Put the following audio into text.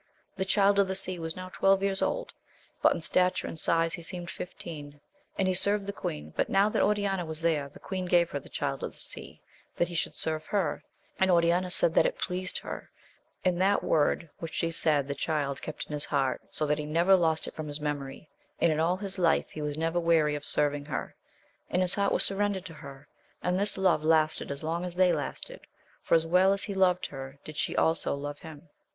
The Child of the Sea was now twelve years old, but in stature and size he seemed fifteen, and he served the queen ; but now that Oriana was there, the queen gave her the Child of the Sea that he should serve her, and Oriana said that it pleased her, and that word which she said the child kept in his heart, so that he never lost it from his memory, and in all his life he was never weary of serving her, and his heart was surrendered to her, and this love lasted as long as they lasted, for as well as he loved her did she also love him.